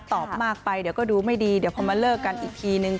ตอบมากไปเดี๋ยวก็ดูไม่ดีเดี๋ยวพอมาเลิกกันอีกทีนึง